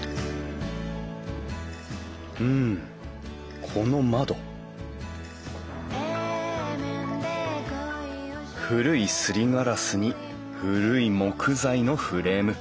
うんこの窓古いすりガラスに古い木材のフレーム。